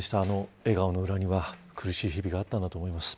笑顔の裏には、苦しい日々があったんだと思います。